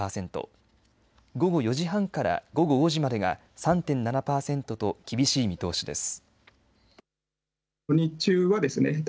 午後４時半から午後５時までが３．７％と厳しい見通しです。